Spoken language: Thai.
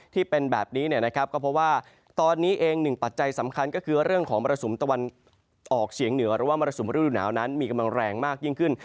ที่เป็นแบบนี้ก็เพราะว่าตอนนี้เองหนึ่งปัจจัยสำคัญก็คือเรื่องของมรสุมตะวันออกเฉียงเหนือหรือว่ามรสุมฤดูหนาวนั้นมีกำลังแรงมากยิ่งขึ้น